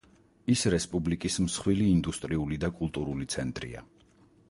ის რესპუბლიკის მსხვილი ინდუსტრიული და კულტურული ცენტრია.